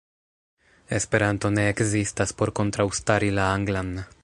Esperanto ne ekzistas por kontraŭstari la anglan.